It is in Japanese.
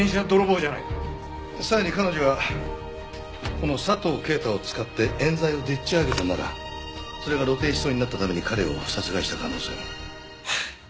さらに彼女はこの佐藤啓太を使って冤罪をでっち上げたならそれが露呈しそうになったために彼を殺害した可能性も。